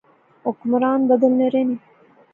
حکمران بدلنے رہے